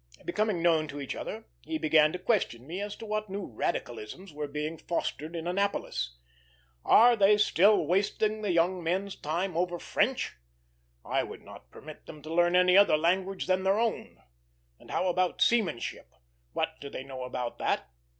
Becoming known to each other, he began to question me as to what new radicalisms were being fostered in Annapolis. "Are they still wasting the young men's time over French? I would not permit them to learn any other language than their own. And how about seamanship? What do they know about that?